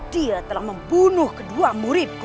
dia telah membunuh kedua muridku